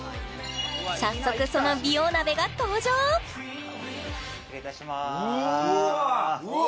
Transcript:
早速その美容鍋が登場・失礼いたしますうわ